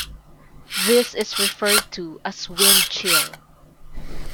This is referred to as wind chill.